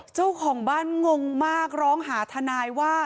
เจ้าของบ้านงงมากร้องหาทนายว่า